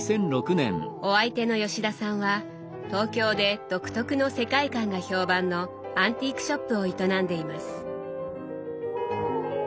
お相手の吉田さんは東京で独特の世界観が評判のアンティークショップを営んでいます。